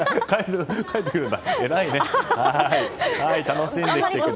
帰ってくるんだ。